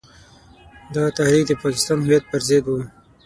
دغه تحریک د پاکستان هویت پر ضد وو.